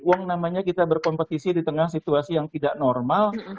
uang namanya kita berkompetisi di tengah situasi yang tidak normal